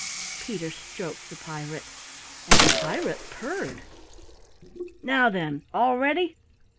Peter stroked the pirate and the pirate purred! "Now then, all ready?